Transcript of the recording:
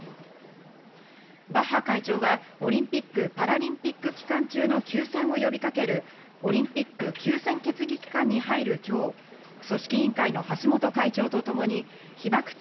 バッハ会長はオリンピック・パラリンピック期間中の休戦を呼びかけるオリンピック休戦決議期間に入る今日、組織委員会の橋本会長とともに被爆地